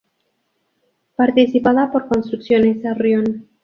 Participada por Construcciones Sarrión.